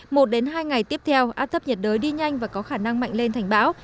một đến hai ngày tiếp theo áp thấp nhiệt đới đi nhanh và có khả năng mạnh lên thành bão